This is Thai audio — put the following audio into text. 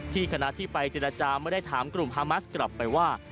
คณะที่ไปเจรจาไม่ได้ถามกลุ่มฮามัสกลับไปว่า